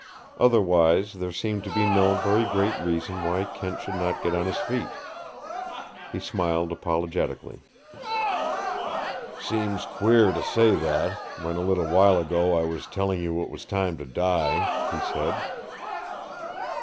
Otherwise there seemed to be no very great reason why Kent should not get on his feet. He smiled apologetically. "Seems queer to say that, when a little while ago I was telling you it was time to die," he said.